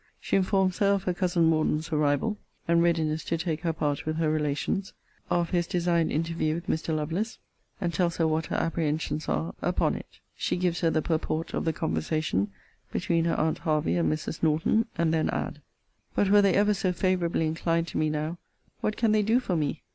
She informs her of her cousin Morden's arrival and readiness to take her part with her relations; of his designed interview with Mr. Lovelace; and tells her what her apprehensions are upon it. She gives her the purport of the conversation between her aunt Hervey and Mrs. Norton. And then adds:] But were they ever so favourably inclined to me now, what can they do for me?